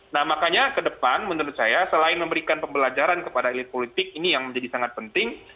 nah makanya ke depan menurut saya selain memberikan pembelajaran kepada elit politik ini yang menjadi sangat penting